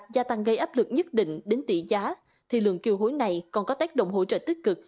gia tăng gây áp lực nhất định đến tỷ giá thì lượng kiều hối này còn có tác động hỗ trợ tích cực